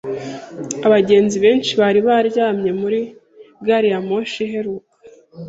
Abagenzi benshi bari baryamye muri gari ya moshi iheruka.